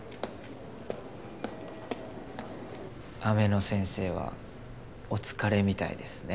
雨野先生はお疲れみたいですね。